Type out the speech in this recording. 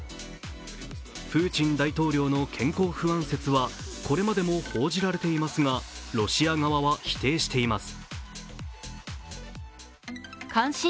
プーチン大統領の健康不安説はこれまでも報じられていますが、ロシア側は否定しています。